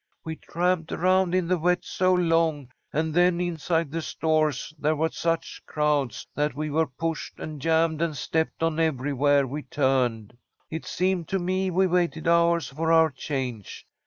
We tramped around in the wet so long, and then inside the stores there were such crowds that we were pushed and jammed and stepped on everywhere we turned. It seemed to me we waited hours for our change.